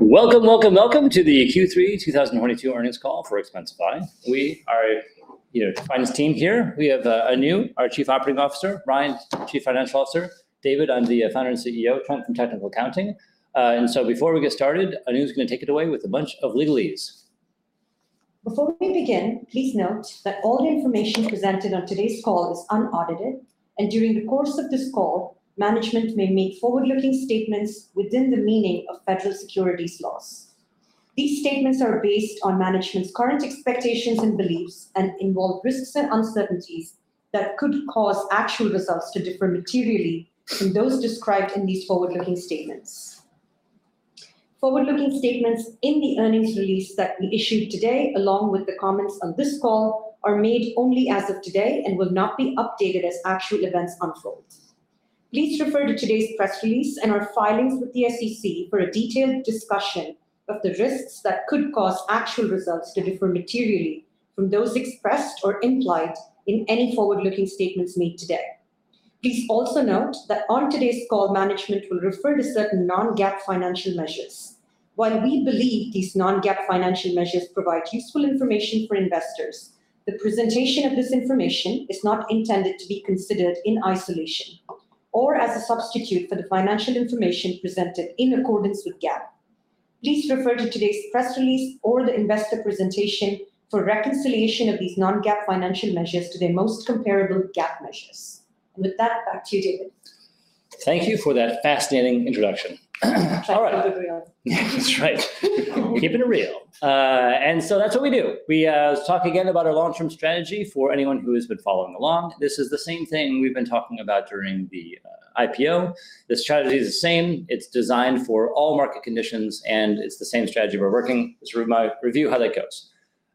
Welcome to the Q3 2022 earnings call for Expensify. We are, you know, finance team here. We have Anu, our Chief Operating Officer, Ryan, Chief Financial Officer, David. I'm the founder and CEO, Trent from technical accounting. Before we get started, Anu's gonna take it away with a bunch of legalese. Before we begin, please note that all the information presented on today's call is unaudited. During the course of this call, management may make forward-looking statements within the meaning of federal securities laws. These statements are based on management's current expectations and beliefs and involve risks and uncertainties that could cause actual results to differ materially from those described in these forward-looking statements. Forward-looking statements in the earnings release that we issued today, along with the comments on this call, are made only as of today and will not be updated as actual events unfold. Please refer to today's press release and our filings with the SEC for a detailed discussion of the risks that could cause actual results to differ materially from those expressed or implied in any forward-looking statements made today. Please also note that on today's call, management will refer to certain Non-GAAP financial measures. While we believe these Non-GAAP financial measures provide useful information for investors, the presentation of this information is not intended to be considered in isolation or as a substitute for the financial information presented in accordance with GAAP. Please refer to today's press release or the investor presentation for reconciliation of these Non-GAAP financial measures to their most comparable GAAP measures. With that, back to you, David. Thank you for that fascinating introduction. Thank you. All right. That's right. Keeping it real. That's what we do. We talk again about our long-term strategy for anyone who has been following along. This is the same thing we've been talking about during the IPO. The strategy is the same. It's designed for all market conditions, and it's the same strategy we're working. Sort of my review how that goes.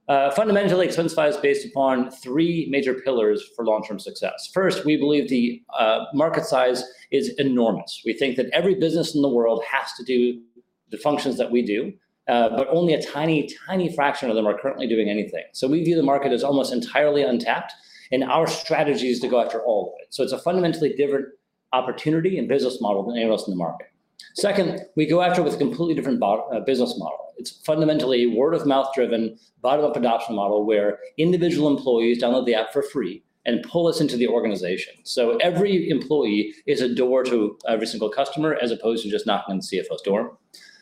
Fundamentally, Expensify is based upon three major pillars for long-term success. First, we believe the market size is enormous. We think that every business in the world has to do the functions that we do, but only a tiny fraction of them are currently doing anything. We view the market as almost entirely untapped, and our strategy is to go after all of it. It's a fundamentally different opportunity and business model than anyone else in the market. Second, we go after with a completely different business model. It's fundamentally word-of-mouth driven, bottom-up adoption model where individual employees download the app for free and pull us into the organization. Every employee is a door to every single customer as opposed to just knocking on the CFO's door.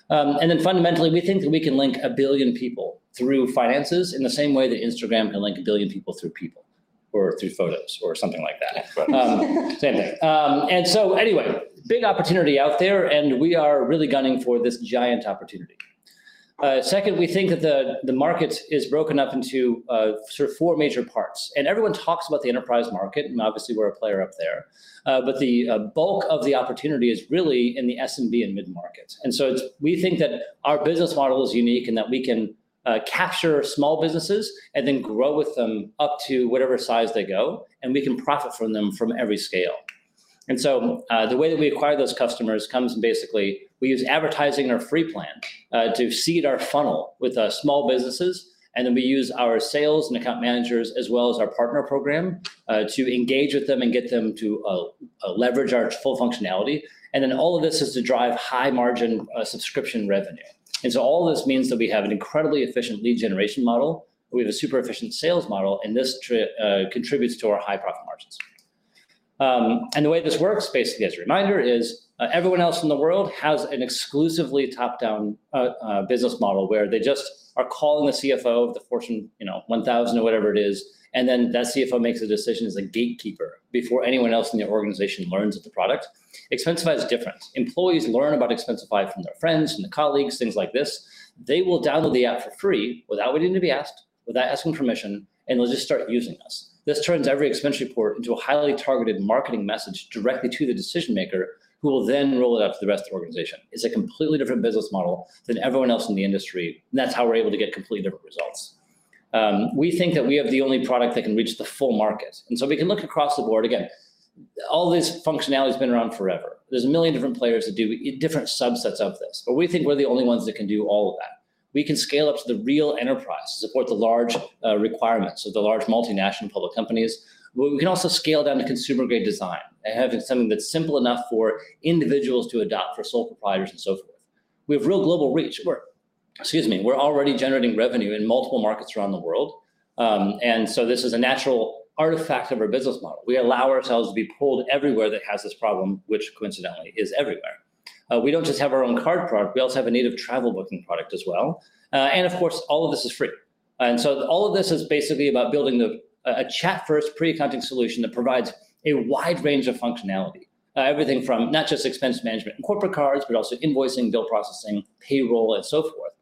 Fundamentally, we think that we can link a billion people through finances in the same way that Instagram can link a billion people through people or through photos or something like that. Same thing. Anyway, big opportunity out there and we are really gunning for this giant opportunity. Second, we think that the market is broken up into, sort of four major parts. Everyone talks about the enterprise market, and obviously we're a player up there. The bulk of the opportunity is really in the SMB and mid-markets. We think that our business model is unique in that we can capture small businesses and then grow with them up to whatever size they go, and we can profit from them from every scale. The way that we acquire those customers comes basically. We use advertising our free plan to seed our funnel with small businesses, and then we use our sales and account managers as well as our partner program to engage with them and get them to leverage our full functionality. All of this is to drive high margin subscription revenue. All this means that we have an incredibly efficient lead generation model. We have a super efficient sales model, and this contributes to our high profit margins. The way this works basically as a reminder is, everyone else in the world has an exclusively top-down business model where they just are calling the CFO of the Fortune, you know, 1000 or whatever it is, and then that CFO makes a decision as a gatekeeper before anyone else in the organization learns of the product. Expensify is different. Employees learn about Expensify from their friends, from their colleagues, things like this. They will download the app for free without waiting to be asked, without asking permission, and they'll just start using us. This turns every expense report into a highly targeted marketing message directly to the decision maker who will then roll it out to the rest of the organization. It's a completely different business model than everyone else in the industry. That's how we're able to get completely different results. We think that we have the only product that can reach the full market. We can look across the board. Again, all this functionality has been around forever. There's a million different players that do different subsets of this, but we think we're the only ones that can do all of that. We can scale up to the real enterprise to support the large requirements of the large multinational public companies. We can also scale down to consumer-grade design and have something that's simple enough for individuals to adopt for sole proprietors and so forth. We have real global reach. We're already generating revenue in multiple markets around the world. This is a natural artifact of our business model. We allow ourselves to be pulled everywhere that has this problem which coincidentally is everywhere. We don't just have our own card product, we also have a native travel booking product as well. Of course, all of this is free. All of this is basically about building a chat-first pre-accounting solution that provides a wide range of functionality. Everything from not just expense management and corporate cards, but also invoicing, bill processing, payroll and so forth,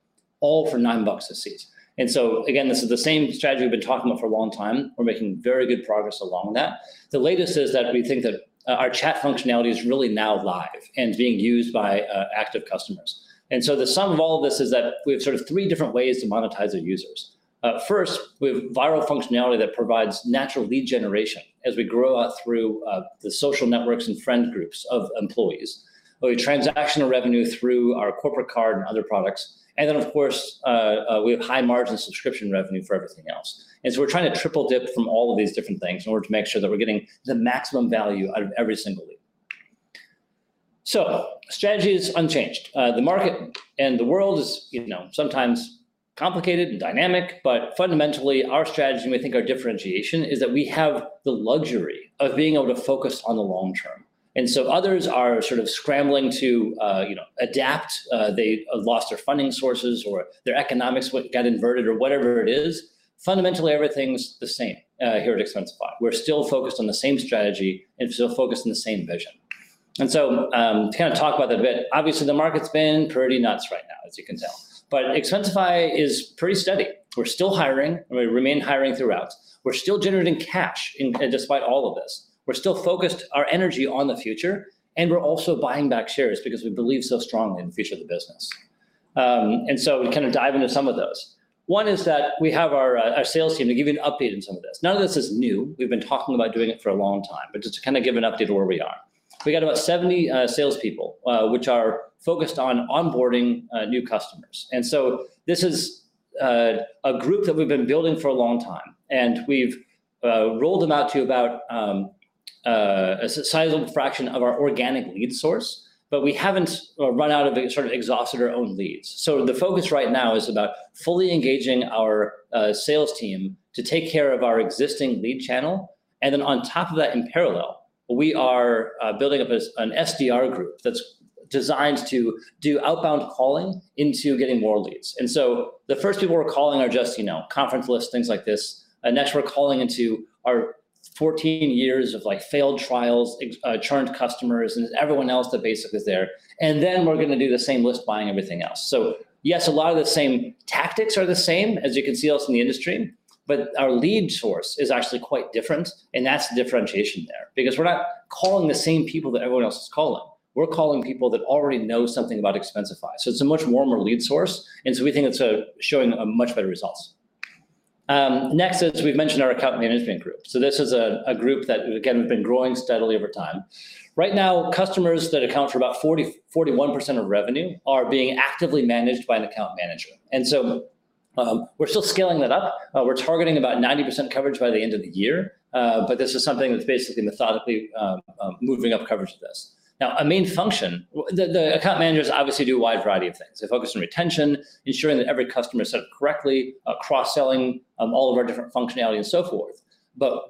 all for $9 a seat. Again, this is the same strategy we've been talking about for a long time. We're making very good progress along that. The latest is that we think that our chat functionality is really now live and being used by active customers. The sum of all of this is that we have sort of three different ways to monetize our users. First, we have viral functionality that provides natural lead generation as we grow out through the social networks and friend groups of employees. We have transactional revenue through our corporate card and other products. Of course, we have high margin subscription revenue for everything else. We're trying to triple dip from all of these different things in order to make sure that we're getting the maximum value out of every single lead. So strategy is unchanged. The market and the world is, you know, sometimes complicated and dynamic, but fundamentally, our strategy, and we think our differentiation, is that we have the luxury of being able to focus on the long term. Others are sort of scrambling to, you know, adapt. They have lost their funding sources or their economics got inverted or whatever it is. Fundamentally, everything's the same here at Expensify. We're still focused on the same strategy and still focused on the same vision. To kind of talk about that a bit, obviously, the market's been pretty nuts right now, as you can tell. Expensify is pretty steady. We're still hiring, and we remain hiring throughout. We're still generating cash despite all of this. We're still focused our energy on the future, and we're also buying back shares because we believe so strongly in the future of the business. We kind of dive into some of those. One is that we have our sales team to give you an update on some of this. None of this is new. We've been talking about doing it for a long time, but just to kinda give an update of where we are. We got about 70 salespeople, which are focused on onboarding new customers. This is a group that we've been building for a long time, and we've rolled them out to about a sizeable fraction of our organic lead source. But we haven't sort of exhausted our own leads. The focus right now is about fully engaging our sales team to take care of our existing lead channel, and then on top of that in parallel, we are building up an SDR group that's designed to do outbound calling into getting more leads. The first people we're calling are just, you know, conference lists, things like this. Next we're calling into our 14 years of like failed trials, churned customers, and everyone else that basically is there. Then we're gonna do the same list buying everything else. Yes, a lot of the same tactics are the same as you can see else in the industry, but our lead source is actually quite different, and that's the differentiation there. Because we're not calling the same people that everyone else is calling. We're calling people that already know something about Expensify, so it's a much warmer lead source, and so we think it's showing much better results. Next, as we've mentioned our account management group. This is a group that, again, we've been growing steadily over time. Right now, customers that account for about 40-41% of revenue are being actively managed by an account manager. We're still scaling that up. We're targeting about 90% coverage by the end of the year, but this is something that's basically methodically moving up coverage to this. Now, a main function, the account managers obviously do a wide variety of things. They focus on retention, ensuring that every customer is set up correctly, cross-selling all of our different functionality and so forth.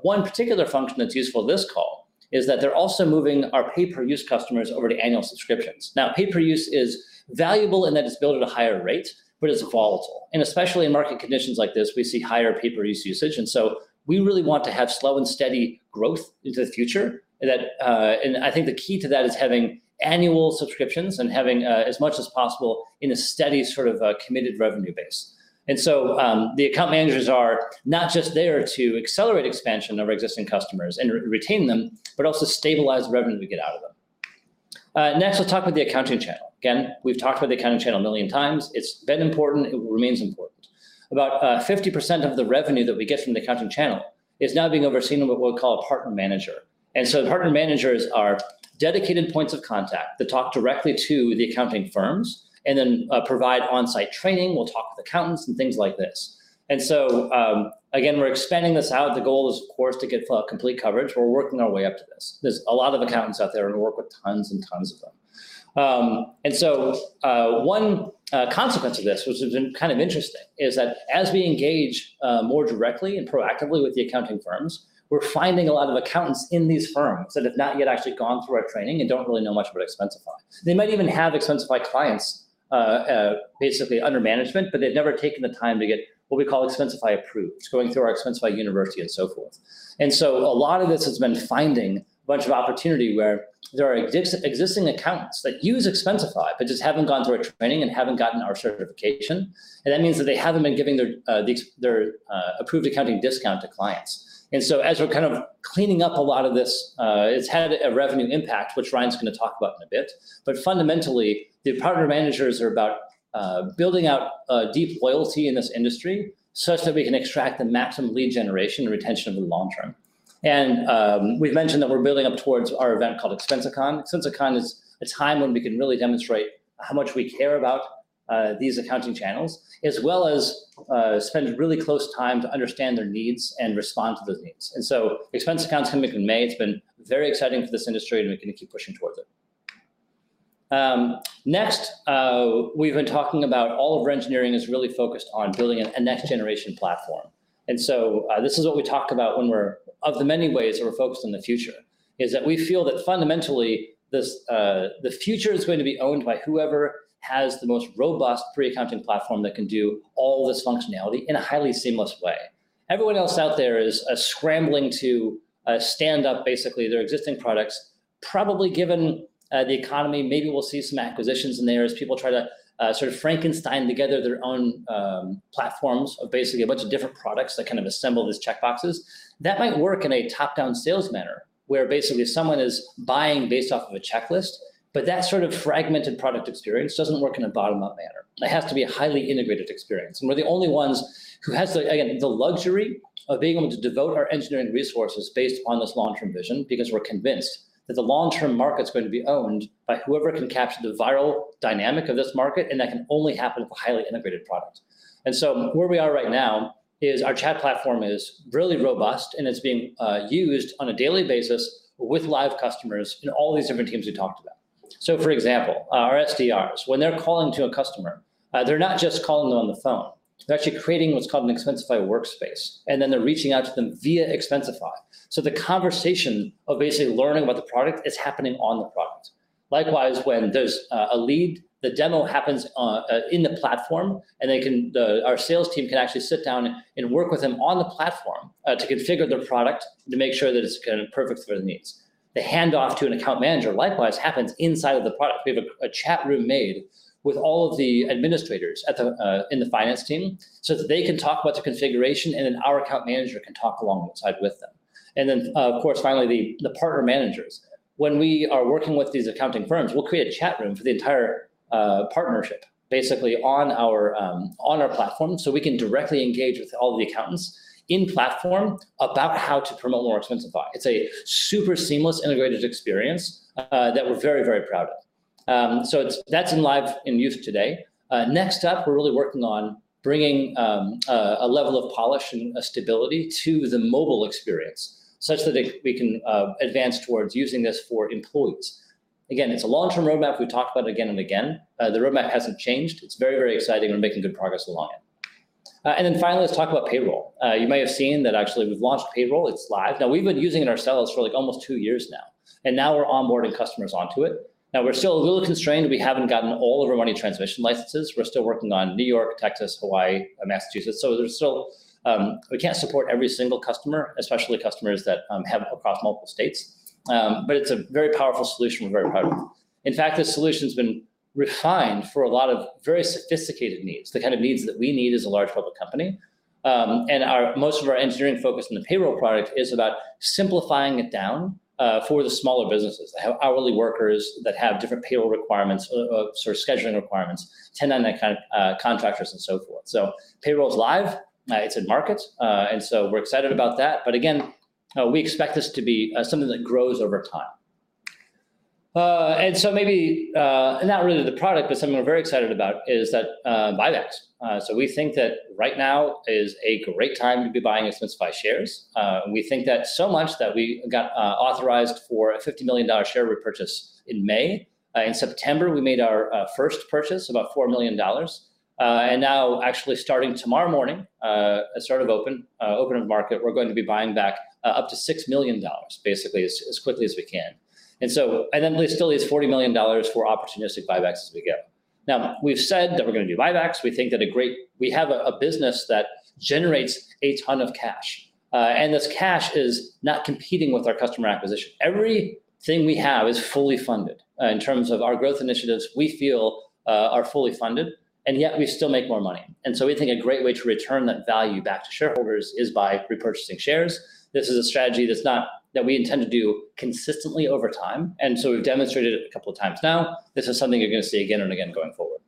One particular function that's useful this call is that they're also moving our pay-per-use customers over to annual subscriptions. Now, pay-per-use is valuable in that it's billed at a higher rate, but it's volatile. Especially in market conditions like this, we see higher pay-per-use usage, and so we really want to have slow and steady growth into the future. That, I think the key to that is having annual subscriptions and having, as much as possible in a steady sort of, committed revenue base. The account managers are not just there to accelerate expansion of our existing customers and retain them, but also stabilize the revenue we get out of them. Next, we'll talk about the accounting channel. Again, we've talked about the accounting channel a million times. It's been important, it remains important. About 50% of the revenue that we get from the accounting channel is now being overseen by what we'll call a partner manager. Partner managers are dedicated points of contact that talk directly to the accounting firms and then provide on-site training, will talk to accountants and things like this. Again, we're expanding this out. The goal is, of course, to get complete coverage. We're working our way up to this. There's a lot of accountants out there and we work with tons and tons of them. One consequence of this, which has been kind of interesting, is that as we engage more directly and proactively with the accounting firms, we're finding a lot of accountants in these firms that have not yet actually gone through our training and don't really know much about Expensify. They might even have Expensify clients basically under management, but they've never taken the time to get what we call ExpensifyApproved!, going through our ExpensifyApproved! University and so forth. A lot of this has been finding a bunch of opportunity where there are existing accountants that use Expensify but just haven't gone through our training and haven't gotten our certification. That means that they haven't been giving their approved accounting discount to clients. As we're kind of cleaning up a lot of this, it's had a revenue impact, which Ryan's gonna talk about in a bit. Fundamentally, the partner managers are about building out deep loyalty in this industry such that we can extract the maximum lead generation and retention in the long term. We've mentioned that we're building up towards our event called ExpensiCon. ExpensiCon is a time when we can really demonstrate how much we care about these accounting channels, as well as spend really close time to understand their needs and respond to those needs. ExpensiCon's gonna be in May. It's been very exciting for this industry, and we're gonna keep pushing towards it. Next, we've been talking about all of our engineering is really focused on building a next generation platform. This is what we talk about of the many ways that we're focused on the future, is that we feel that fundamentally this the future is going to be owned by whoever has the most robust pre-accounting platform that can do all this functionality in a highly seamless way. Everyone else out there is scrambling to stand up basically their existing products, probably given the economy, maybe we'll see some acquisitions in there as people try to sort of Frankenstein together their own platforms of basically a bunch of different products that kind of assemble these checkboxes. That might work in a top-down sales manner, where basically someone is buying based off of a checklist, but that sort of fragmented product experience doesn't work in a bottom-up manner. It has to be a highly integrated experience. We're the only ones who has the, again, the luxury of being able to devote our engineering resources based on this long-term vision because we're convinced that the long-term market's going to be owned by whoever can capture the viral dynamic of this market, and that can only happen with a highly integrated product. Where we are right now is our chat platform is really robust, and it's being used on a daily basis with live customers in all these different teams we talked about. For example, our SDRs, when they're calling to a customer, they're not just calling on the phone. They're actually creating what's called an Expensify Workspace, and then they're reaching out to them via Expensify. The conversation of basically learning about the product is happening on the product. Likewise, when there's a lead, the demo happens in the platform, and our sales team can actually sit down and work with them on the platform to configure their product to make sure that it's kind of perfect for their needs. The handoff to an account manager likewise happens inside of the product. We have a chat room made with all of the administrators in the finance team, so that they can talk about the configuration, and then our account manager can talk alongside with them. Of course, finally, the partner managers. When we are working with these accounting firms, we'll create a chat room for the entire partnership basically on our platform, so we can directly engage with all the accountants in platform about how to promote more Expensify. It's a super seamless integrated experience that we're very, very proud of. That's in live use today. Next up, we're really working on bringing a level of polish and stability to the mobile experience, such that we can advance towards using this for employees. Again, it's a long-term roadmap we've talked about again and again. The roadmap hasn't changed. It's very, very exciting. We're making good progress along it. And then finally, let's talk about payroll. You may have seen that actually we've launched payroll. It's live. Now, we've been using it ourselves for like almost two years now, and now we're onboarding customers onto it. Now, we're still a little constrained. We haven't gotten all of our money transmission licenses. We're still working on New York, Texas, Hawaii, and Massachusetts. So there's still, we can't support every single customer, especially customers that have across multiple states. But it's a very powerful solution. We're very proud of it. In fact, this solution's been refined for a lot of very sophisticated needs, the kind of needs that we need as a large public company. Most of our engineering focus on the payroll product is about simplifying it down for the smaller businesses that have hourly workers that have different payroll requirements, sort of scheduling requirements, 1099 kind of, contractors and so forth. Payroll is live. It's in market. We're excited about that. Again, we expect this to be something that grows over time. Maybe, not really the product, but something we're very excited about is that, buybacks. We think that right now is a great time to be buying Expensify shares. We think that so much that we got authorized for a $50 million share repurchase in May. In September, we made our first purchase, about $4 million. Now actually starting tomorrow morning at open of market, we're going to be buying back up to $6 million basically as quickly as we can. We still need $40 million for opportunistic buybacks as we go. Now, we've said that we're going to do buybacks. We think that we have a business that generates a ton of cash. This cash is not competing with our customer acquisition. Everything we have is fully funded. In terms of our growth initiatives, we feel are fully funded, and yet we still make more money. We think a great way to return that value back to shareholders is by repurchasing shares. This is a strategy that we intend to do consistently over time. We've demonstrated it a couple of times now. This is something you're going to see again and again going forward.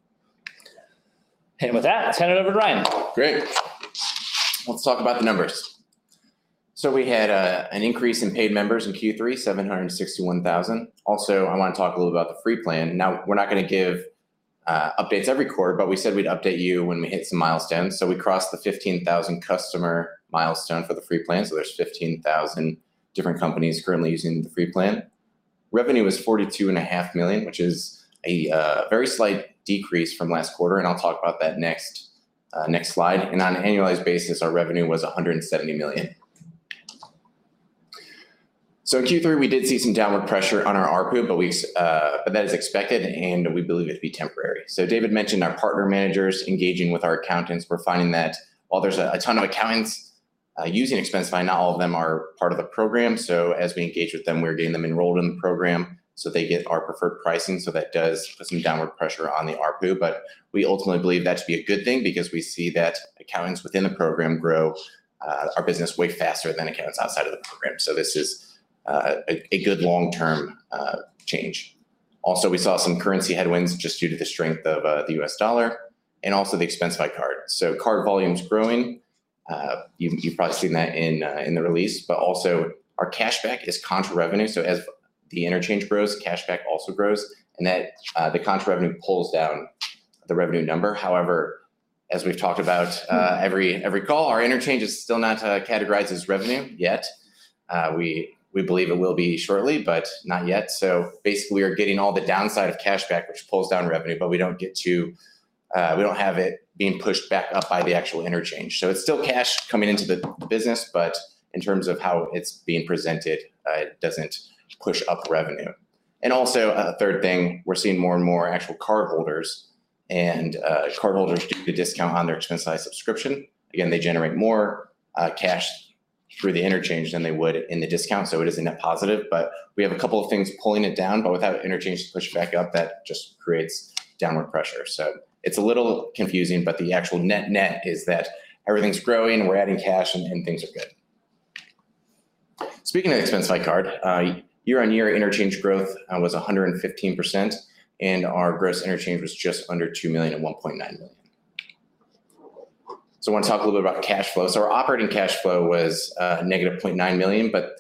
With that, let's turn it over to Ryan. Great. Let's talk about the numbers. We had an increase in paid members in Q3, 761,000. Also, I want to talk a little about the free plan. Now, we're not going to give updates every quarter, but we said we'd update you when we hit some milestones. We crossed the 15,000 customer milestone for the free plan. There's 15,000 different companies currently using the free plan. Revenue was $42 and a half million, which is a very slight decrease from last quarter, and I'll talk about that next slide. On an annualized basis, our revenue was $170 million. In Q3, we did see some downward pressure on our ARPU, but that is expected, and we believe it to be temporary. David mentioned our partner managers engaging with our accountants. We're finding that while there's a ton of accountants using Expensify, not all of them are part of the program. As we engage with them, we're getting them enrolled in the program, so they get our preferred pricing. That does put some downward pressure on the ARPU, but we ultimately believe that to be a good thing because we see that accountants within the program grow our business way faster than accountants outside of the program. This is a good long-term change. Also, we saw some currency headwinds just due to the strength of the U.S. dollar and also the Expensify Card. Card volume's growing. You've probably seen that in the release. Also our cashback is contra revenue. As the interchange grows, cashback also grows, and that the contra revenue pulls down the revenue number. However, as we've talked about, every call, our interchange is still not categorized as revenue yet. We believe it will be shortly, but not yet. Basically, we are getting all the downside of cashback, which pulls down revenue, but we don't have it being pushed back up by the actual interchange. It's still cash coming into the business, but in terms of how it's being presented, it doesn't push up revenue. Also, third thing, we're seeing more and more actual cardholders, and cardholders get a discount on their Expensify subscription. Again, they generate more cash through the interchange than they would in the discount, so it is a net positive. We have a couple of things pulling it down, but without an interchange to push back up, that just creates downward pressure. It's a little confusing, but the actual net-net is that everything's growing, we're adding cash, and things are good. Speaking of the Expensify Card, year-on-year interchange growth was 115%, and our gross interchange was just under $2 million at $1.9 million. I want to talk a little bit about cash flow. Our operating cash flow was negative $0.9 million, but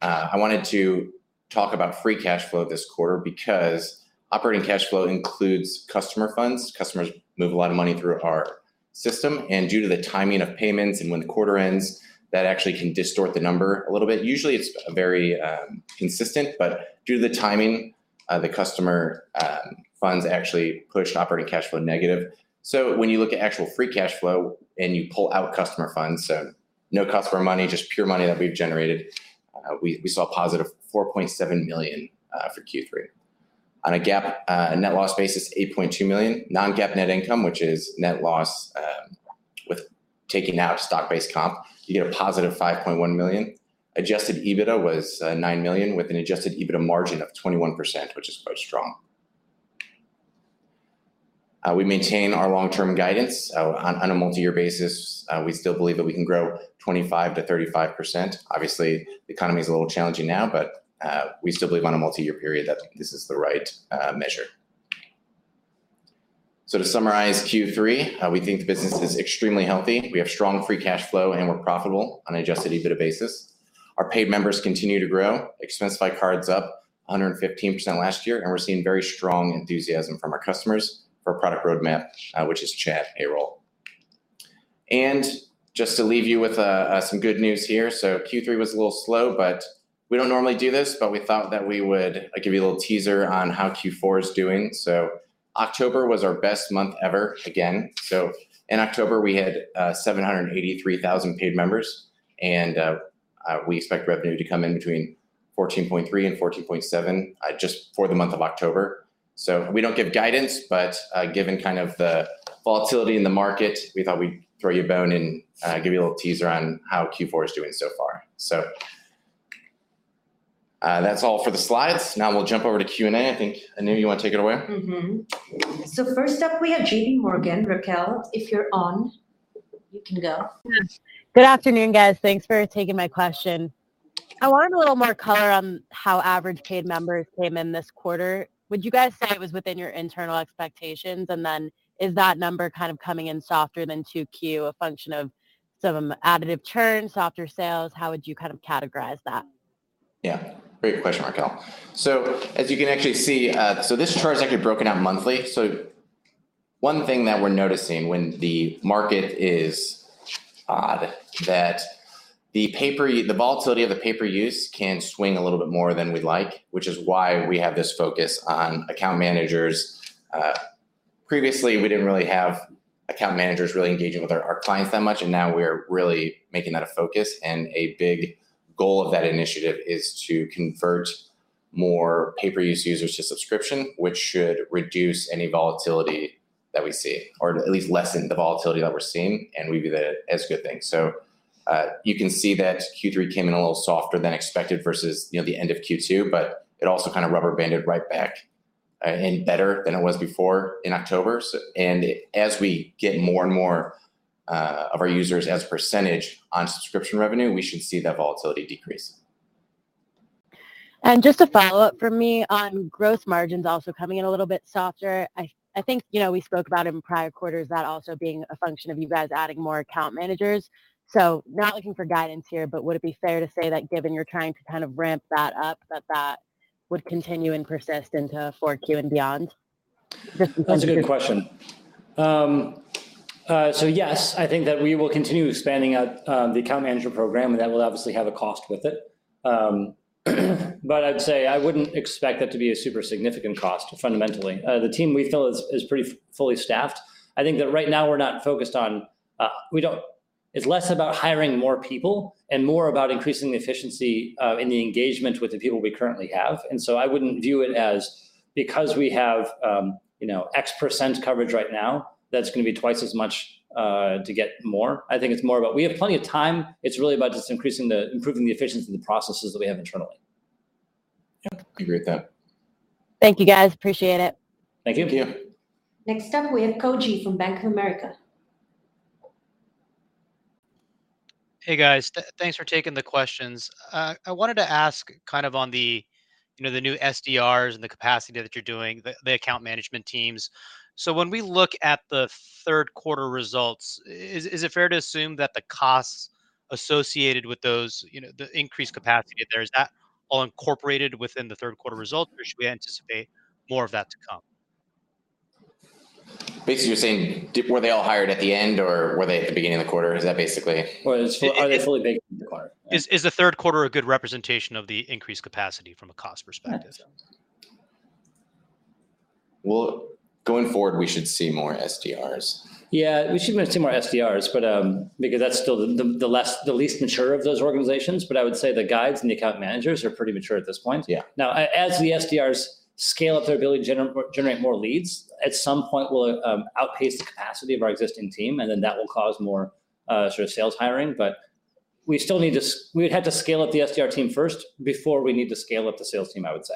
I wanted to talk about free cash flow this quarter because operating cash flow includes customer funds. Customers move a lot of money through our system, and due to the timing of payments and when the quarter ends, that actually can distort the number a little bit. Usually it's very consistent, but due to the timing of the customer funds actually pushed operating cash flow negative. When you look at actual free cash flow and you pull out customer funds, so no customer money, just pure money that we've generated, we saw a positive $4.7 million for Q3. On a GAAP net loss basis, $8.2 million. Non-GAAP net income, which is net loss, with taking out stock-based comp, you get a positive $5.1 million. Adjusted EBITDA was $9 million with an adjusted EBITDA margin of 21%, which is quite strong. We maintain our long-term guidance. On a multi-year basis, we still believe that we can grow 25%-35%. Obviously, the economy is a little challenging now, but we still believe on a multi-year period that this is the right measure. To summarize Q3, we think the business is extremely healthy. We have strong free cash flow, and we're profitable on an adjusted EBITDA basis. Our paid members continue to grow. Expensify Cards up 115% last year, and we're seeing very strong enthusiasm from our customers for our product roadmap, which is chat and payroll. Just to leave you with some good news here, Q3 was a little slow, but we don't normally do this, but we thought that we would, like, give you a little teaser on how Q4 is doing. October was our best month ever again. In October, we had 783,000 paid members, and we expect revenue to come in between $14.3 and $14.7 just for the month of October. We don't give guidance, but given kind of the volatility in the market, we thought we'd throw you a bone and give you a little teaser on how Q4 is doing so far. That's all for the slides. Now we'll jump over to Q&A. I think, Anu, you want to take it away? First up, we have J.P. Morgan. Raquel, if you're on, you can go. Good afternoon, guys. Thanks for taking my question. I wanted a little more color on how average paid members came in this quarter. Would you guys say it was within your internal expectations? Is that number kind of coming in softer than 2Q, a function of some additive churn, softer sales? How would you kind of categorize that? Yeah. Great question, Raquel. As you can actually see, this chart is actually broken out monthly. One thing that we're noticing when the market is that the volatility of the pay-per-use can swing a little bit more than we'd like, which is why we have this focus on account managers. Previously, we didn't really have account managers really engaging with our clients that much, and now we're really making that a focus. A big goal of that initiative is to convert more pay-per-use users to subscription, which should reduce any volatility that we see, or at least lessen the volatility that we're seeing, and we view that as a good thing. You can see that Q3 came in a little softer than expected versus, you know, the end of Q2, but it also kind of rubber-banded right back and better than it was before in October. As we get more and more of our users as a percentage on subscription revenue, we should see that volatility decrease. Just a follow-up from me on gross margins also coming in a little bit softer. I think, you know, we spoke about in prior quarters that also being a function of you guys adding more account managers. Not looking for guidance here, but would it be fair to say that given you're trying to kind of ramp that up, that would continue and persist into 4Q and beyond? That's a good question. Yes, I think that we will continue expanding out the account manager program, and that will obviously have a cost with it. I'd say I wouldn't expect that to be a super significant cost fundamentally. The team we feel is pretty fully staffed. I think that right now we're not focused on. It's less about hiring more people and more about increasing the efficiency and the engagement with the people we currently have. I wouldn't view it as because we have you know X% coverage right now, that's gonna be twice as much to get more. I think it's more about we have plenty of time. It's really about just improving the efficiency of the processes that we have internally. Yep. Agree with that. Thank you, guys. Appreciate it. Thank you. Thank you. Next up, we have Koji from Bank of America. Hey, guys. Thanks for taking the questions. I wanted to ask kind of on the, you know, the new SDRs and the capacity that you're doing, the account management teams. When we look at the third quarter results, is it fair to assume that the costs associated with those, you know, the increased capacity there, is that all incorporated within the third quarter results, or should we anticipate more of that to come? Basically, you're saying were they all hired at the end or were they at the beginning of the quarter? Is that basically? Well, it's fully baked into the quarter. Is the third quarter a good representation of the increased capacity from a cost perspective? Well, going forward, we should see more SDRs. Yeah, we should see more SDRs, but because that's still the least mature of those organizations. I would say the guides and the account managers are pretty mature at this point. Yeah. Now, as the SDRs scale up their ability to generate more leads, at some point we'll outpace the capacity of our existing team, and then that will cause more sort of sales hiring. We would have to scale up the SDR team first before we need to scale up the sales team, I would say.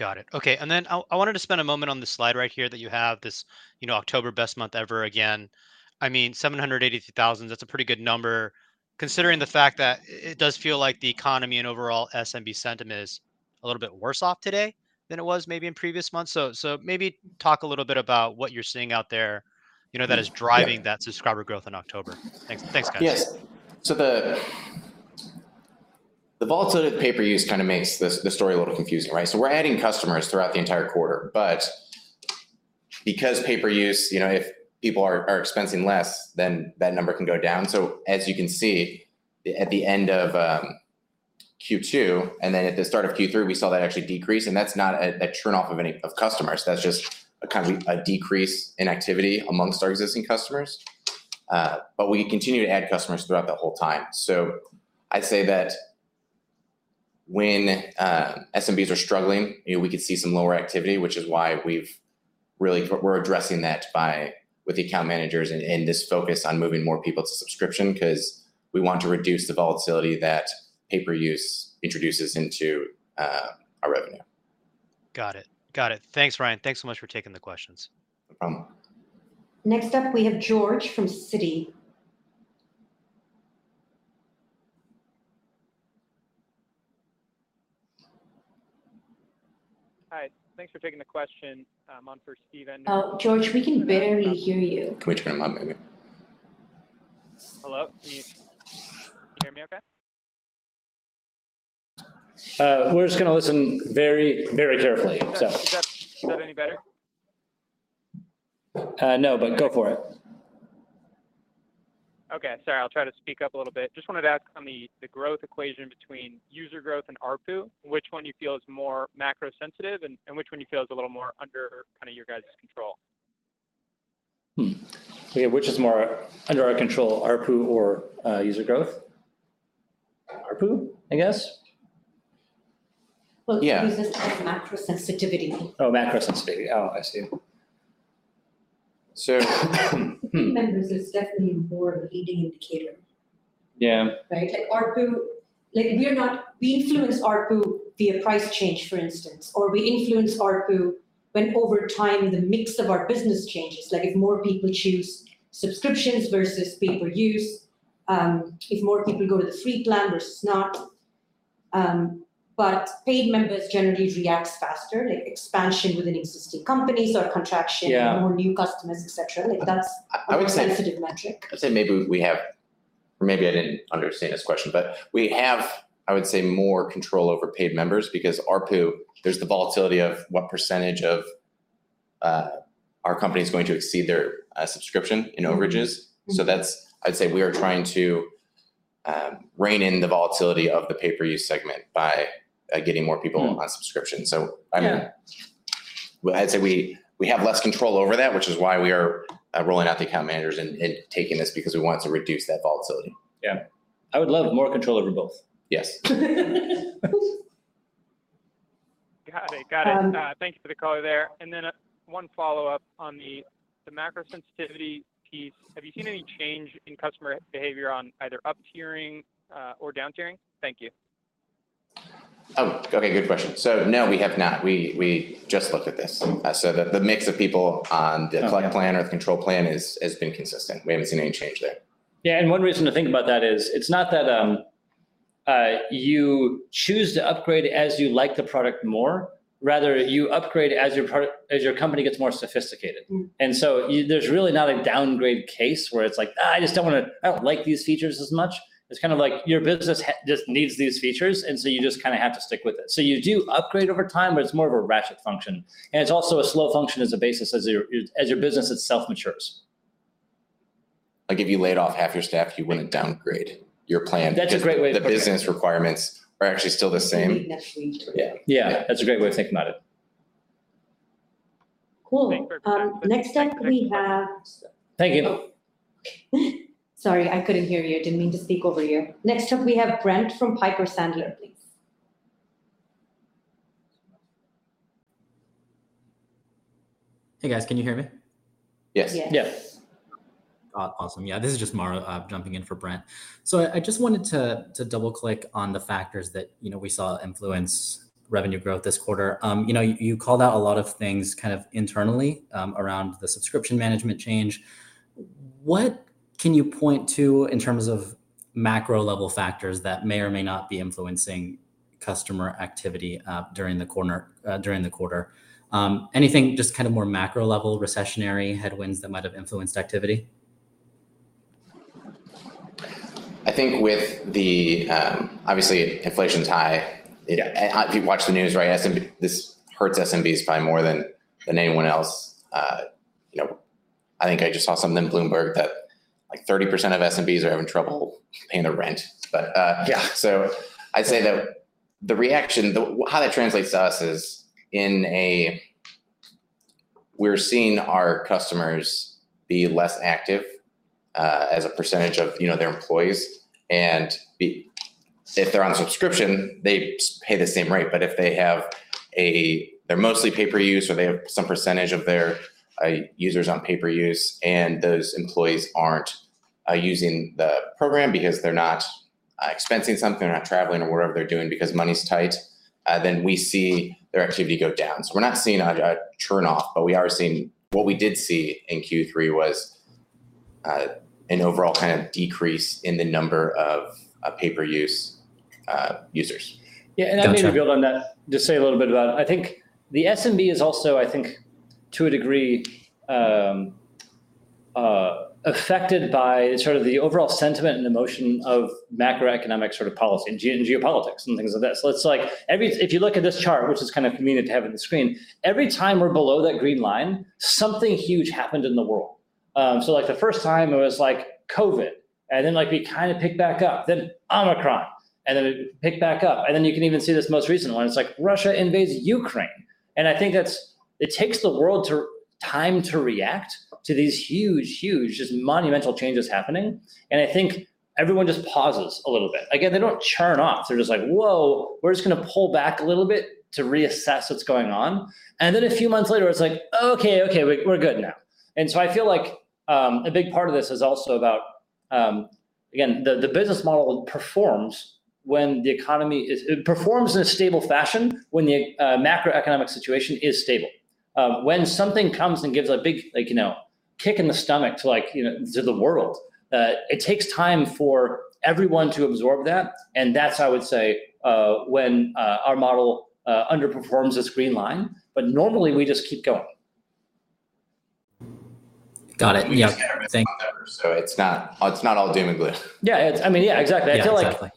Yeah. Got it. Okay. I wanted to spend a moment on this slide right here that you have, this, you know, October best month ever again. I mean, 783,000, that's a pretty good number considering the fact that it does feel like the economy and overall SMB sentiment is a little bit worse off today than it was maybe in previous months. So maybe talk a little bit about what you're seeing out there, you know, that is driving that subscriber growth in October. Thanks. Thanks, guys. Yes. The volatility of pay-per-use kind of makes the story a little confusing, right? We're adding customers throughout the entire quarter, but because pay-per-use, you know, if people are expensing less, then that number can go down. As you can see, at the end of Q2 and then at the start of Q3, we saw that actually decrease, and that's not a turnoff of any of customers. That's just a kind of a decrease in activity amongst our existing customers. But we continue to add customers throughout the whole time. I'd say that when SMBs are struggling, you know, we could see some lower activity, which is why we've really. We're addressing that by with the account managers and this focus on moving more people to subscription 'cause we want to reduce the volatility that pay-per-use introduces into our revenue. Got it. Thanks, Ryan. Thanks so much for taking the questions. No problem. Next up, we have George from Citi. Hi. Thanks for taking the question, on for Steven- Oh, George, we can barely hear you. Can we turn him up maybe? Hello? Can you hear me okay? We're just gonna listen very, very carefully, so. Is that any better? No, but go for it. Okay. Sorry, I'll try to speak up a little bit. Just wanted to ask on the growth equation between user growth and ARPU, which one you feel is more macro sensitive and which one you feel is a little more under kind of your guys' control? Yeah, which is more under our control, ARPU or, user growth? ARPU, I guess. Well- Yeah He was just asking macro sensitivity. Oh, macro sensitivity. Oh, I see. So- Paid members is definitely more of a leading indicator. Yeah. Right? Like ARPU, we influence ARPU via price change, for instance, or we influence ARPU when over time the mix of our business changes, like if more people choose subscriptions versus pay-per-use, if more people go to the free plan versus not. Paid members generally reacts faster to expansion within existing companies or contraction. Yeah more new customers, et cetera. Like that's. I would say. A more sensitive metric. I'd say maybe we have or maybe I didn't understand this question, but we have, I would say, more control over paid members because ARPU, there's the volatility of what percentage of our company's going to exceed their subscription in overages. I'd say we are trying to rein in the volatility of the pay-per-use segment by getting more people on subscription. I mean Yeah Well, I'd say we have less control over that, which is why we are rolling out the account managers and taking this because we want to reduce that volatility. Yeah. I would love more control over both. Yes. Got it. Um- Thank you for the color there. Then, one follow-up on the macro sensitivity piece. Have you seen any change in customer behavior on either up tiering or down tiering? Thank you. Oh, okay. Good question. No, we have not. We just looked at this. So the mix of people on the- Oh, yeah. Collect plan or the Control plan has been consistent. We haven't seen any change there. Yeah, one reason to think about that is it's not that you choose to upgrade as you like the product more, rather you upgrade as your company gets more sophisticated. There's really not a downgrade case where it's like, "I just don't like these features as much." It's kind of like your business just needs these features, and so you just kinda have to stick with it. You do upgrade over time, but it's more of a ratchet function, and it's also a slow function as your business itself matures. Like if you laid off half your staff, you wouldn't downgrade your plan. That's a great way to put it. The business requirements are actually still the same. You wouldn't necessarily need to. Yeah. Yeah. That's a great way of thinking about it. Cool. Thank you. Next up we have. Thank you. Sorry, I couldn't hear you. Didn't mean to speak over you. Next up we have Brent from Piper Sandler, please. Hey, guys. Can you hear me? Yes. Yes. Oh, awesome. Yeah, this is just Maru jumping in for Brent. I just wanted to double-click on the factors that, you know, we saw influence revenue growth this quarter. You know, you called out a lot of things kind of internally around the subscription management change. What can you point to in terms of macro level factors that may or may not be influencing customer activity during the quarter? Anything just kind of more macro level, recessionary headwinds that might have influenced activity? I think obviously, inflation's high. You know, if you watch the news, right? SMBs. This hurts SMBs probably more than anyone else. You know, I think I just saw something in Bloomberg that, like 30% of SMBs are having trouble paying their rent. Yeah I'd say that the reaction, how that translates to us is We're seeing our customers be less active, as a percentage of, you know, their employees. If they're on a subscription, they pay the same rate. If they have, they're mostly pay-per-use or they have some percentage of their users on pay-per-use, and those employees aren't using the program because they're not expensing something, they're not traveling or whatever they're doing because money's tight, then we see their activity go down. We're not seeing a turnoff, but we are seeing. What we did see in Q3 was an overall kind of decrease in the number of pay-per-use users. Yeah, I may build on that. Just say a little bit about. I think the SMB is also, I think, to a degree, affected by sort of the overall sentiment and emotion of macroeconomic sort of policy and geopolitics and things like that. It's like if you look at this chart, which is kind of convenient to have on the screen, every time we're below that green line, something huge happened in the world. So like the first time it was like COVID, and then like we kind of picked back up, then Omicron, and then it picked back up. You can even see this most recent one. It's like Russia invades Ukraine. I think it takes the world time to react to these huge, just monumental changes happening. I think everyone just pauses a little bit. Again, they don't churn off. They're just like, "Whoa, we're just gonna pull back a little bit to reassess what's going on." Then a few months later, it's like, "Okay, okay, we're good now." I feel like a big part of this is also about, again, the business model performs when the economy is. It performs in a stable fashion when the macroeconomic situation is stable. When something comes and gives a big, like, you know, kick in the stomach to like, you know, to the world, it takes time for everyone to absorb that, and that's how I would say when our model underperforms this green line. Normally, we just keep going. Got it. Yeah. We just can't ever think about that ever, so it's not all doom and gloom. Yeah. I mean, yeah, exactly. Yeah, exactly. I feel like,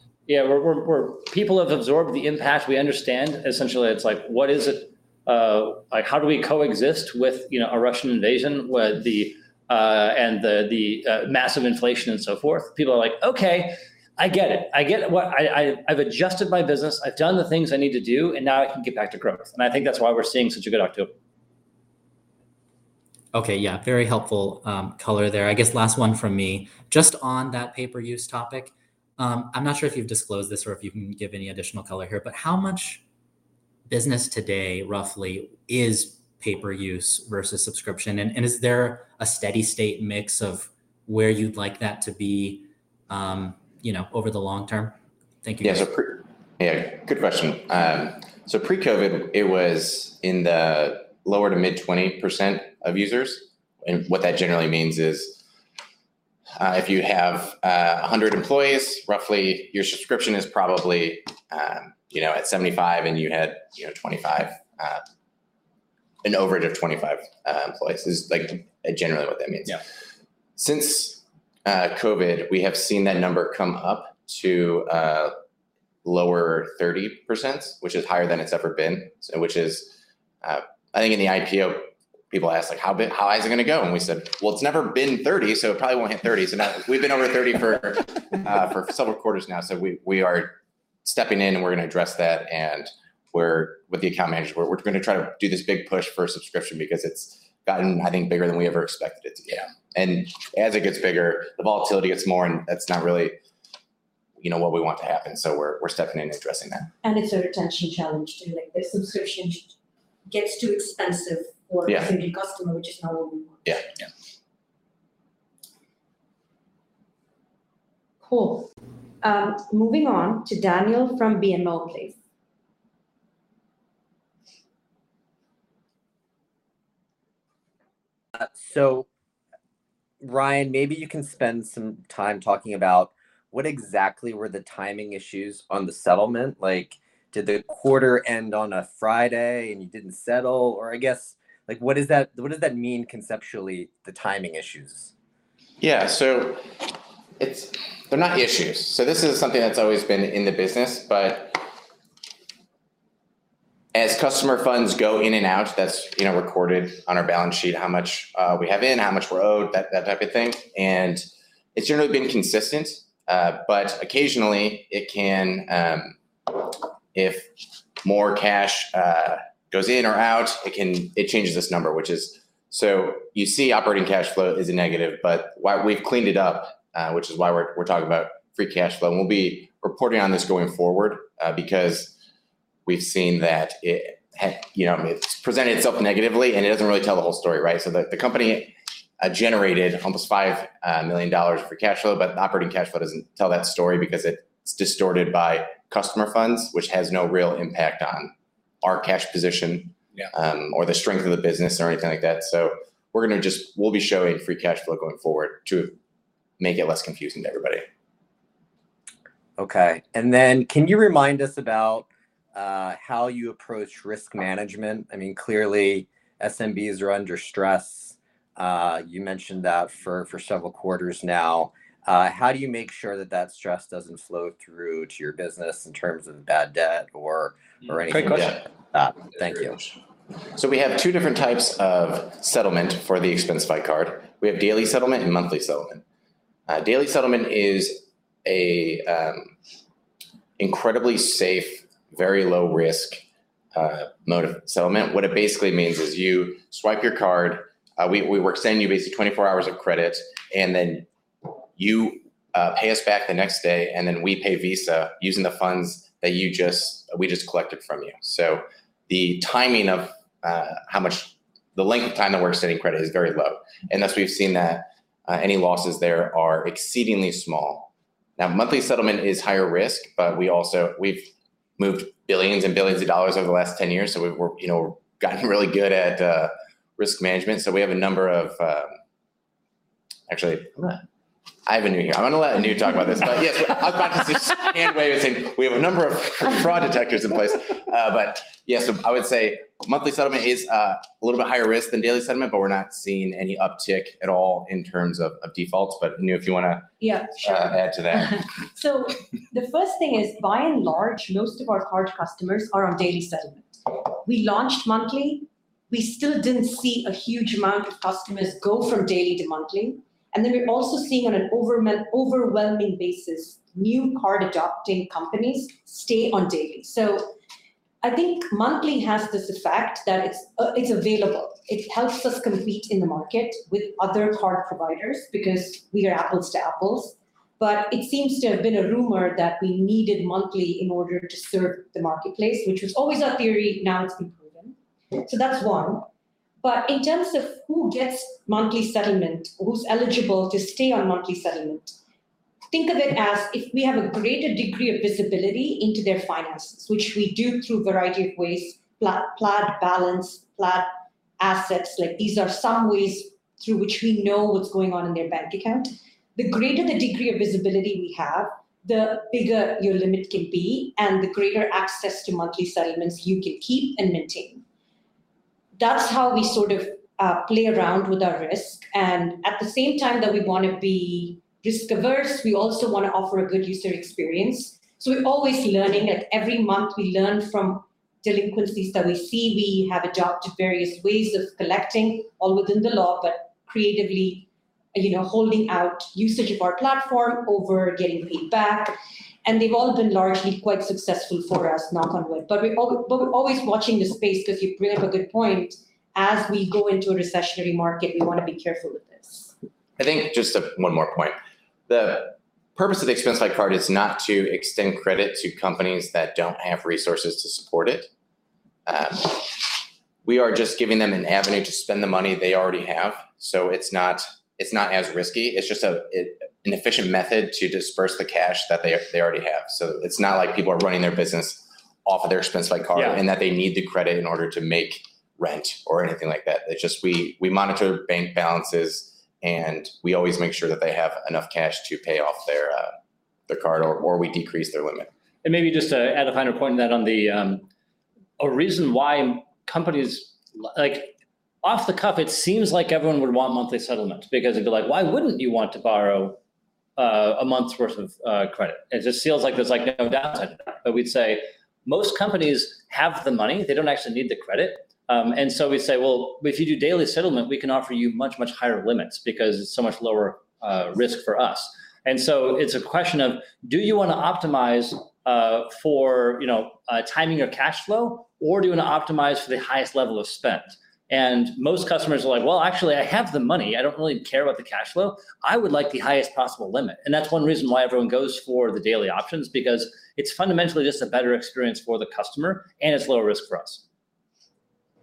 yeah, people have absorbed the impact. We understand essentially it's like, what is it, like how do we coexist with, you know, a Russian invasion with the, and the massive inflation and so forth. People are like, "Okay, I get it. I get it. I've adjusted my business, I've done the things I need to do, and now I can get back to growth." I think that's why we're seeing such a good October. Okay. Yeah. Very helpful, color there. I guess last one from me, just on that pay-per-use topic, I'm not sure if you've disclosed this or if you can give any additional color here, but how much business today roughly is pay-per-use versus subscription? And is there a steady state mix of where you'd like that to be, you know, over the long term? Thank you. Good question. Pre-COVID, it was in the lower- to mid-20% of users. What that generally means is, if you have 100 employees, roughly your subscription is probably, you know, at 75, and you had, you know, 25, an overage of 25 employees. This is like generally what that means. Yeah. Since COVID, we have seen that number come up to lower 30%, which is higher than it's ever been. I think in the IPO people ask like, "How high is it gonna go?" We said, "Well, it's never been 30, so it probably won't hit 30." Now we've been over 30 for several quarters now, so we are stepping in, and we're gonna address that. With the account management, we're gonna try to do this big push for a subscription because it's gotten, I think, bigger than we ever expected it to be. Yeah. As it gets bigger, the volatility gets more, and that's not really, you know, what we want to happen. We're stepping in and addressing that. It's a retention challenge too. Like, the subscription gets too expensive. Yeah for a SMB customer, which is not what we want. Yeah. Yeah. Cool. Moving on to Daniel from BMO, please. Ryan, maybe you can spend some time talking about what exactly were the timing issues on the settlement. Like, did the quarter end on a Friday and you didn't settle? Or I guess like, what does that mean conceptually, the timing issues? Yeah. They're not issues. This is something that's always been in the business, but as customer funds go in and out, that's, you know, recorded on our balance sheet how much we have in, how much we're owed, that type of thing. It's generally been consistent. Occasionally it can, if more cash goes in or out, it changes this number, which is. You see operating cash flow is a negative. We've cleaned it up, which is why we're talking about free cash flow. We'll be reporting on this going forward, because we've seen that, you know, it's presented itself negatively, and it doesn't really tell the whole story, right? The company generated almost $5 million of free cash flow, but operating cash flow doesn't tell that story because it's distorted by customer funds, which has no real impact on our cash position. Yeah or the strength of the business or anything like that. We'll be showing free cash flow going forward to make it less confusing to everybody. Okay. Can you remind us about how you approach risk management? I mean, clearly SMBs are under stress. You mentioned that for several quarters now. How do you make sure that that stress doesn't flow through to your business in terms of bad debt or anything? Great question. Thank you. We have two different types of settlement for the Expensify Card. We have daily settlement and monthly settlement. Daily settlement is incredibly safe, very low risk mode of settlement. What it basically means is you swipe your card. We're extending you basically 24 hours of credit, and then you pay us back the next day, and then we pay Visa using the funds that we just collected from you. The timing of the length of time that we're extending credit is very low. Thus we've seen that any losses there are exceedingly small. Monthly settlement is higher risk, but we've moved billions and billions of dollars over the last 10 years, so we've gotten really good at risk management. We have a number of fraud detectors in place. Actually, I'm gonna have Anu here. I'm gonna let Anu talk about this. Yeah, I was about to say the same. We have a number of fraud detectors in place. Yeah, I would say monthly settlement is a little bit higher risk than daily settlement, but we're not seeing any uptick at all in terms of defaults. Anu, if you wanna Yeah, sure. add to that. The first thing is, by and large, most of our card customers are on daily settlement. We launched monthly, we still didn't see a huge amount of customers go from daily to monthly, and then we're also seeing on an overwhelming basis new card-adopting companies stay on daily. I think monthly has this effect that it's available. It helps us compete in the market with other card providers because we are apples to apples. But it seems to have been a rumor that we needed monthly in order to serve the marketplace, which was always our theory, now it's been proven. Yeah. That's one. In terms of who gets monthly settlement, who's eligible to stay on monthly settlement, think of it as if we have a greater degree of visibility into their finances, which we do through a variety of ways, Plaid Balance, Plaid Assets. Like, these are some ways through which we know what's going on in their bank account. The greater the degree of visibility we have, the bigger your limit can be and the greater access to monthly settlements you can keep and maintain. That's how we sort of play around with our risk, and at the same time that we wanna be risk-averse, we also wanna offer a good user experience. We're always learning. At every month, we learn from delinquencies that we see. We have adopted various ways of collecting, all within the law, but creatively, you know, holding out usage of our platform over getting paid back, and they've all been largely quite successful for us, knock on wood. We're always watching the space, because you bring up a good point. As we go into a recessionary market, we wanna be careful with this. I think just one more point. The purpose of the Expensify card is not to extend credit to companies that don't have resources to support it. We are just giving them an avenue to spend the money they already have, so it's not as risky. It's just an efficient method to disperse the cash that they already have. It's not like people are running their business off of their Expensify card. Yeah that they need the credit in order to make rent or anything like that. It's just we monitor bank balances, and we always make sure that they have enough cash to pay off their card or we decrease their limit. Maybe just to add a final point on that, a reason why companies. Like, off the cuff, it seems like everyone would want monthly settlements, because it'd be like, "Why wouldn't you want to borrow a month's worth of credit?" It just feels like there's like no downside. We'd say most companies have the money. They don't actually need the credit. We say, "Well, if you do daily settlement, we can offer you much, much higher limits because it's so much lower risk for us." It's a question of do you wanna optimize for, you know, timing of cash flow or do you wanna optimize for the highest level of spend? Most customers are like, "Well, actually I have the money. I don't really care about the cash flow. I would like the highest possible limit." That's one reason why everyone goes for the daily options, because it's fundamentally just a better experience for the customer and it's lower risk for us.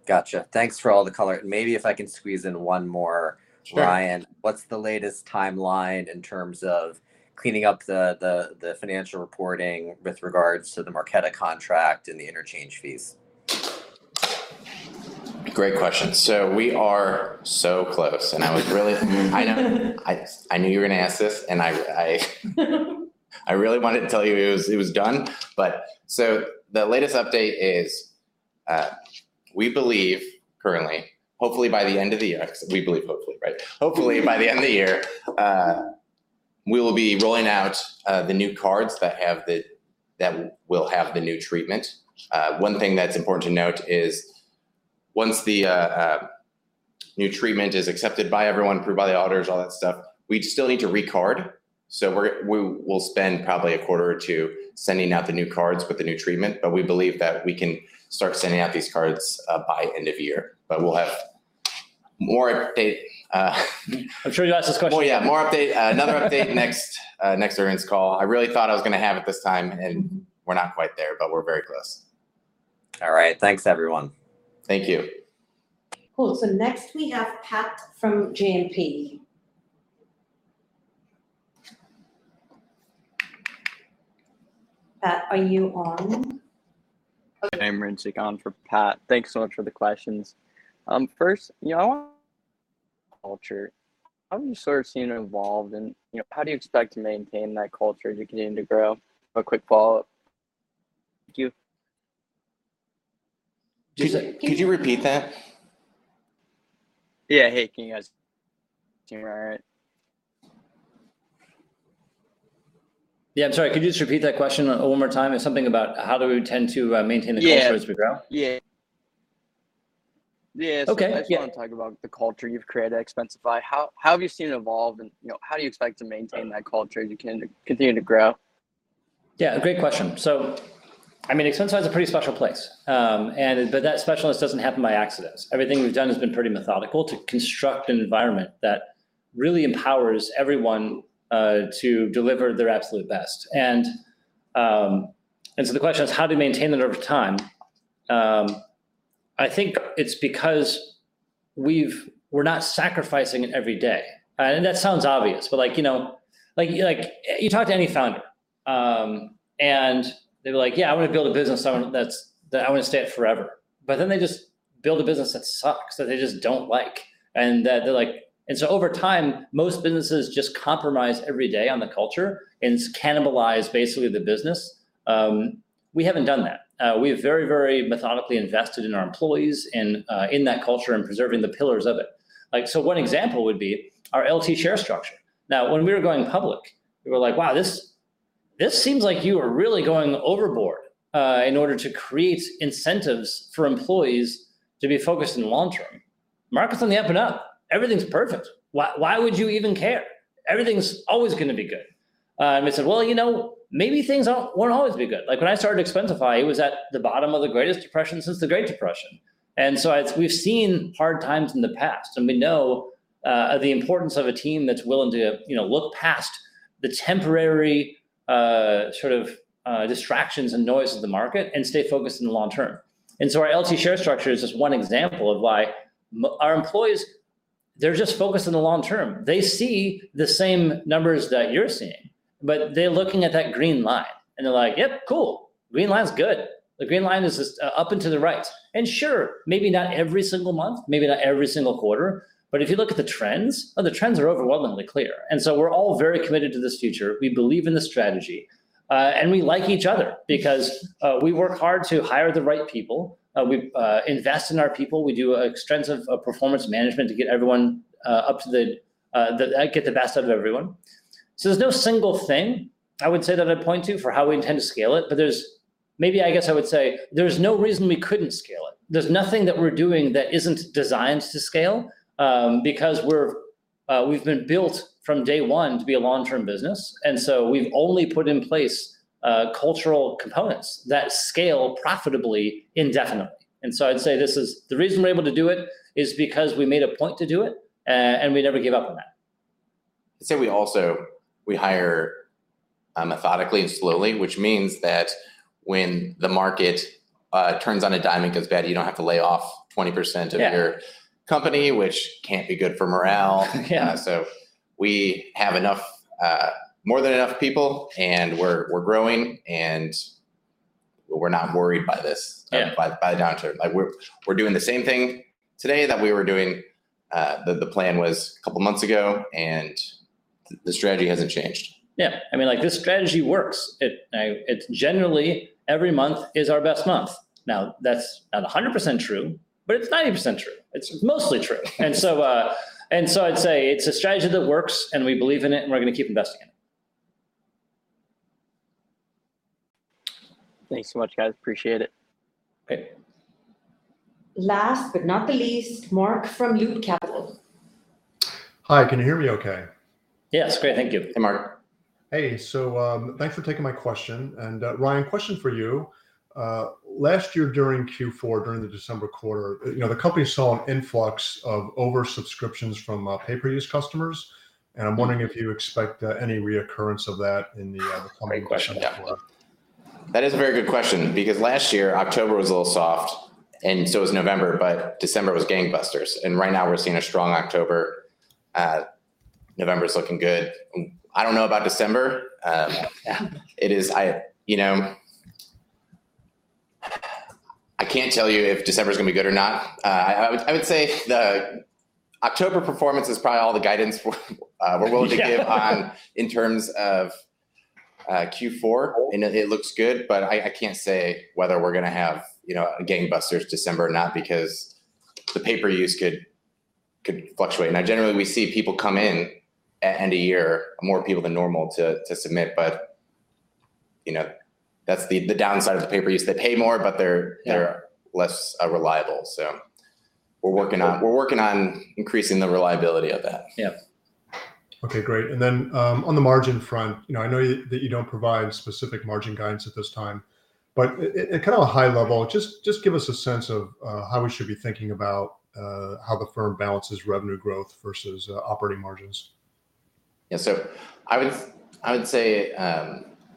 Gotcha. Thanks for all the color. Maybe if I can squeeze in one more. Sure. Ryan, what's the latest timeline in terms of cleaning up the financial reporting with regards to the Marqeta contract and the interchange fees? Great question. We are so close, and I know I knew you were gonna ask this, and I really wanted to tell you it was done, but so the latest update is, we believe currently, hopefully by the end of the year. We believe, hopefully, right? Hopefully by the end of the year, we will be rolling out the new cards that will have the new treatment. One thing that's important to note is once the new treatment is accepted by everyone, approved by the auditors, all that stuff, we still need to re-card. We'll spend probably a quarter or two sending out the new cards with the new treatment, but we believe that we can start sending out these cards by end of year. We'll have more updates. I'm sure you've answered this question. We'll have more update next earnings call. I really thought I was gonna have it this time, and we're not quite there, but we're very close. All right. Thanks everyone. Thank you. Cool. Next we have Pat from JMP. Pat, are you on? Hey, I'm Ryan signing on for Pat. Thanks so much for the questions. First, you know, culture. How have you sort of seen it evolve and, you know, how do you expect to maintain that culture as you continue to grow? A quick follow-up. Thank you. Could you repeat that? Yeah. Hey, can you guys hear me all right? Yeah. I'm sorry. Could you just repeat that question one more time? It's something about how do we intend to maintain the culture? Yeah as we grow? Yeah. Okay, yeah. I just wanna talk about the culture you've created at Expensify. How have you seen it evolve and, you know, how do you expect to maintain that culture as you continue to grow? Yeah, great question. I mean, Expensify's a pretty special place, and but that specialness doesn't happen by accident. Everything we've done has been pretty methodical to construct an environment that really empowers everyone to deliver their absolute best. The question is how do we maintain that over time? I think it's because we're not sacrificing it every day. That sounds obvious, but like, you know, like you talk to any founder, and they're like, "Yeah, I wanna build a business that I wanna stay at forever." But then they just build a business that sucks, that they just don't like, and that they're like. Over time, most businesses just compromise every day on the culture and it's cannibalized basically the business. We haven't done that. We have very, very methodically invested in our employees and, in that culture and preserving the pillars of it. Like, so one example would be our Long-term share structure. Now, when we were going public, we were like, "Wow, this seems like you are really going overboard, in order to create incentives for employees to be focused in the long term." Market's on the up and up, everything's perfect. Why would you even care? Everything's always gonna be good. We said, "Well, you know, maybe things won't always be good." Like, when I started Expensify, it was at the bottom of the greatest depression since the Great Depression. As we've seen hard times in the past, and we know the importance of a team that's willing to, you know, look past the temporary sort of distractions and noise of the market and stay focused in the long term. Our Long-term share structure is just one example of why our employees, they're just focused on the long term. They see the same numbers that you're seeing, but they're looking at that green line, and they're like, "Yep, cool. Green line's good." The green line is up and to the right. Sure, maybe not every single month, maybe not every single quarter, but if you look at the trends, oh, the trends are overwhelmingly clear. We're all very committed to this future. We believe in the strategy, and we like each other because we work hard to hire the right people. We invest in our people. We do extensive performance management to get the best out of everyone. There's no single thing I would say that I'd point to for how we intend to scale it. Maybe, I guess I would say there's no reason we couldn't scale it. There's nothing that we're doing that isn't designed to scale, because we've been built from day one to be a long-term business. We've only put in place cultural components that scale profitably indefinitely. I'd say this is. The reason we're able to do it is because we made a point to do it and we never gave up on that. I'd say we also hire methodically and slowly, which means that when the market turns on a dime and goes bad, you don't have to lay off 20% of- Yeah Your company, which can't be good for morale. Yeah. We have enough, more than enough people, and we're growing, and we're not worried by this. Yeah by the downturn. Like we're doing the same thing today that we were doing. The plan was a couple months ago, and the strategy hasn't changed. Yeah. I mean like this strategy works. It's generally every month is our best month. Now, that's not 100% true, but it's 90% true. It's mostly true. I'd say it's a strategy that works, and we believe in it, and we're gonna keep investing in it. Thanks so much, guys. Appreciate it. Okay. Last but not the least, Mark from Loop Capital. Hi. Can you hear me okay? Yes. Great. Thank you. Hey, Mark. Hey. Thanks for taking my question. Ryan, question for you. Last year during Q4, during the December quarter, you know, the company saw an influx of over subscriptions from pay-per-use customers. I'm wondering if you expect any reoccurrence of that in the coming quarter. Great question. Yeah. That is a very good question because last year, October was a little soft, and so was November, but December was gangbusters. Right now we're seeing a strong October. November's looking good. I don't know about December. You know, I can't tell you if December's gonna be good or not. I would say the October performance is probably all the guidance we're willing to give. Yeah. on in terms of Q4. You know, it looks good, but I can't say whether we're gonna have, you know, a gangbusters December or not because the pay-per-use could fluctuate. Now, generally we see people come in at end of year, more people than normal to submit. But, you know, that's the downside of the pay-per-use. They pay more, but they're Yeah They're less reliable. We're working on increasing the reliability of that. Yeah. Okay, great. On the margin front, you know, I know that you don't provide specific margin guidance at this time, but, kind of a high level, just give us a sense of how we should be thinking about how the firm balances revenue growth versus operating margins. I would say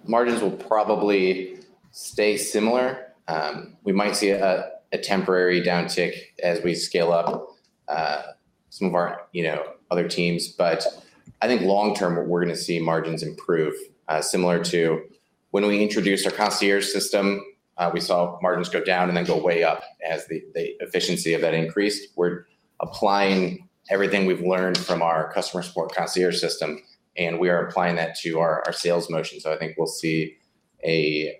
margins will probably stay similar. We might see a temporary downtick as we scale up some of our, you know, other teams. But I think long term we're gonna see margins improve. Similar to when we introduced our Concierge system, we saw margins go down and then go way up as the efficiency of that increased. We're applying everything we've learned from our customer support Concierge system, and we are applying that to our sales motion. I think we'll see a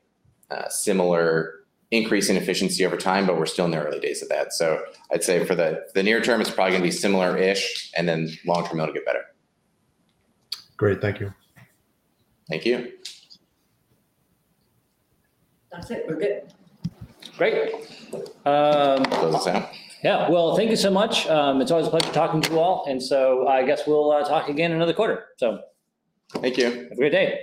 similar increase in efficiency over time, but we're still in the early days of that. I'd say for the near term, it's probably gonna be similar-ish, and then long term it'll get better. Great. Thank you. Thank you. That's it. We're good. Great. That was it. Yeah. Well, thank you so much. It's always a pleasure talking to you all. I guess we'll talk again another quarter. Thank you. Have a great day.